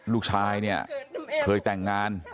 ลูกชายเนี่ยเคยแต่งงาน